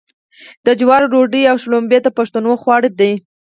د جوارو ډوډۍ او شړومبې د پښتنو خواړه دي.